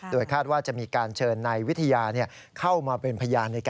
โดยคาดว่าจะมีการเชิญนายวิทยาเข้ามาเป็นพยาน